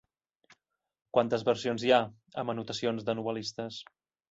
Quantes versions hi ha amb anotacions de novel·listes?